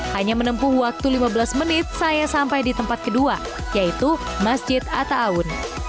hanya menempuh waktu lima belas menit saya sampai di tempat kedua yaitu masjid atta awun ⁇